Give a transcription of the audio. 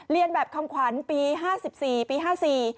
เรียนแบบคำขวัญปี๕๔ปี๕๔